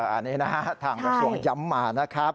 อันนี้นะทางประชวนย้ำมานะครับ